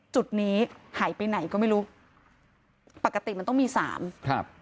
จุดนี้หายไปไหนก็ไม่รู้ปกติมันต้องมีสามครับ